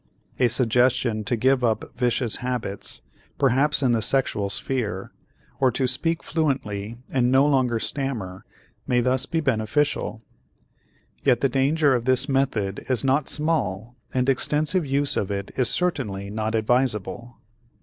A suggestion to give up vicious habits, perhaps in the sexual sphere, or to speak fluently and no longer stammer may thus be beneficial. Yet the danger of this method is not small and extensive use of it is certainly not advisable.